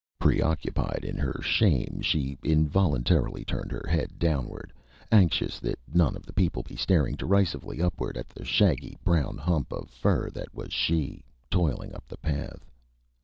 Preoccupied in her shame, she involuntarily turned her head downward, anxious that none of the people be staring derisively upward at the shaggy brown hump of fur that was she, toiling up the path.